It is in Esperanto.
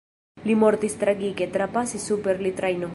Li mortis tragike: trapasis super li trajno.